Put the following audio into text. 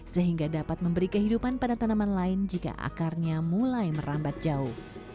sehingga dapat memberi kehidupan pada tanaman lain jika akarnya mulai merambat jauh